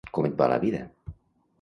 Com et va la vida?